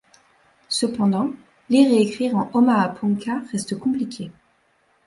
Cependant, lire et écrire en omaha-ponca reste compliqué.